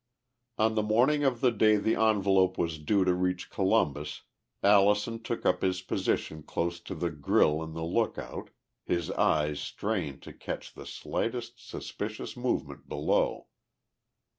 On the morning of the day the envelope was due to reach Columbus, Allison took up his position close to the grille in the lookout, his eyes strained to catch the slightest suspicious movement below.